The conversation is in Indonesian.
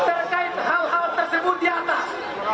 terkait hal hal tersebut di atas